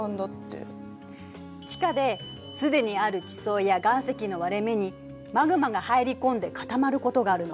地下ですでにある地層や岩石の割れ目にマグマが入り込んで固まることがあるの。